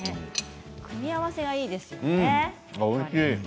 組み合わせがいいですよね。